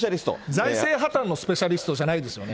財政破綻のスペシャリストじゃないですよね。